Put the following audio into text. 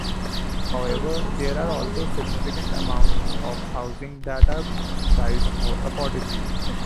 However, there are also significant amounts of housing that are priced more affordably.